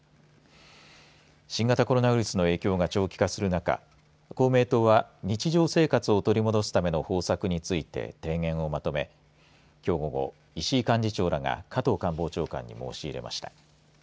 新型コロナウイルスの影響が長期化する中公明党は日常生活を取り戻すための方策について提言をまとめきょう午後、石井幹事長らが加藤官房長官に申し入れました。